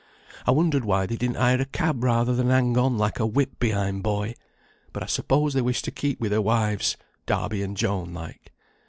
I wondered why they didn't hire a cab rather than hang on like a whip behind boy; but I suppose they wished to keep wi' their wives, Darby and Joan like.